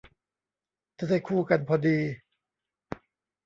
จะได้คู่กันพอดี